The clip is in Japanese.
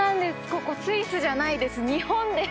ここスイスじゃないです日本です！